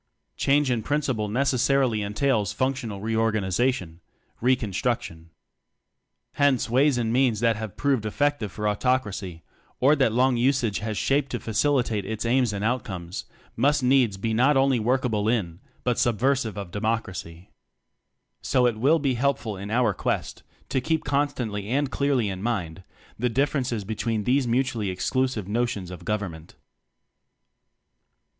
Change in prin ciple necessarily entails functional re organization reconstruction. Hence, ways and means that have proved effective for autocracy, or that long usage has shaped to facilitate its aims and outcomes, must needs be not only unworkable in, but subversive of, democracy. So it will be helpful in our quest to keep constantly and clearly in mind the differences be tween these mutually exclusive no tions of Government.